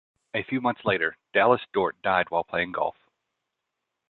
A few months later, Dallas Dort died while playing golf.